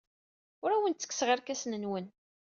Ur awen-ttekkseɣ irkasen-nwen.